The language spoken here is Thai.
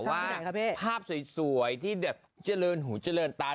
ไม่ถึงมันอ้าว